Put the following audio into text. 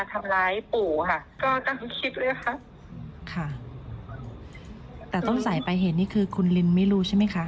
แต่ต้นสายไปเห็นนี่คือคุณลิ้นร์ไม่รู้ใช่ไหมคะ